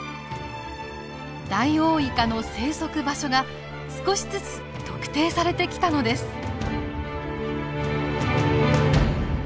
ダイオウイカの生息場所が少しずつ特定されてきたのです。